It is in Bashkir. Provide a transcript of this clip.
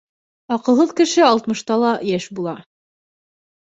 Аҡылһыҙ кеше алтмышта ла йәш була